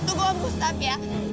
tunggu aku gustaf ya